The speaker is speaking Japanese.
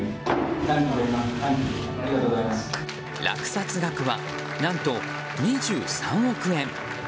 落札額は何と２３億円。